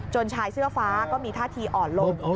ชายเสื้อฟ้าก็มีท่าทีอ่อนลง